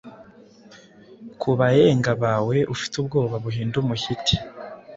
Kubaenga bawe ufite ubwoba buhinda umuhyiti,